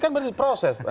kan berarti proses